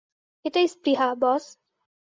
এটাই স্পৃহা, বস।